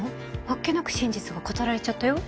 あっけなく真実が語られちゃったよ？